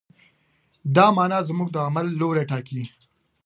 دا معنی زموږ د عمل لوری ټاکي.